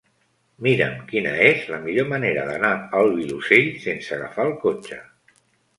Mira'm quina és la millor manera d'anar al Vilosell sense agafar el cotxe.